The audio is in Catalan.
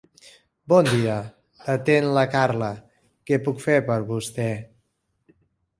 Bon dia, l'atén la Carla, què puc fer per vostè?